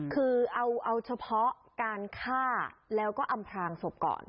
คือเอาเฉพาะการฆ่าแล้วก็อำพลางศพก่อน